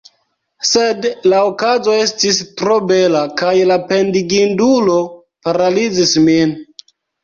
Sed la okazo estis tro bela, kaj la pendigindulo paralizis min.